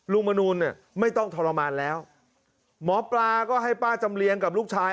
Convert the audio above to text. มนูลเนี่ยไม่ต้องทรมานแล้วหมอปลาก็ให้ป้าจำเลียงกับลูกชาย